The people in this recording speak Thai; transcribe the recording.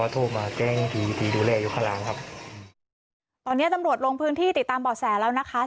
ตอนนี้ตำรวจลงพื้นที่ติดตามบ่อแสแล้วนะคะ